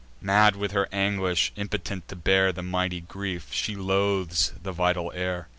Mad with her anguish, impotent to bear The mighty grief, she loathes the vital air.